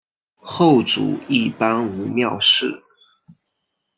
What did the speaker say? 后主一般无庙谥。